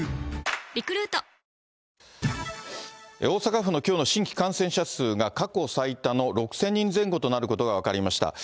大阪府のきょうの新規感染者数が過去最多の６０００人前後となることが分かりました。